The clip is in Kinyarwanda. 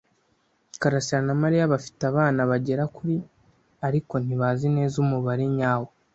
karasira na Mariya bafite abana bagera kuri ariko ntibazi neza umubare nyawo.